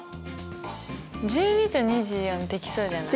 １２と２４できそうじゃない？